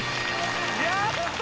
やった！